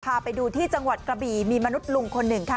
พาไปดูที่จังหวัดกระบีมีมนุษย์ลุงคนหนึ่งค่ะ